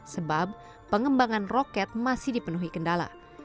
sebab pengembangan roket masih dipenuhi kendala